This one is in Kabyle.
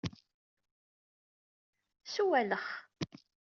Sewwel Alex.